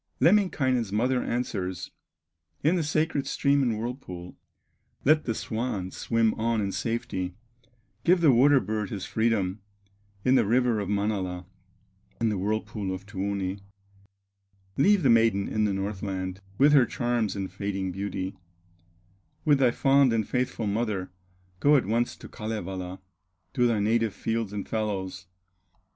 Lemminkainen's mother answers, In the sacred stream and whirlpool. "Let the swan swim on in safety, Give the water bird his freedom, In the river of Manala, In the whirlpool of Tuoni; Leave the maiden in the Northland, With her charms and fading beauty; With thy fond and faithful mother, Go at once to Kalevala, To thy native fields and fallows.